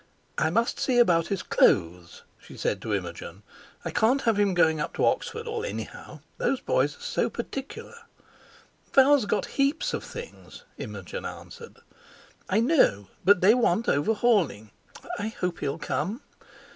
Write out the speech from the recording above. "I must see about his clothes," she said to Imogen; "I can't have him going up to Oxford all anyhow. Those boys are so particular." "Val's got heaps of things," Imogen answered. "I know; but they want overhauling. I hope he'll come."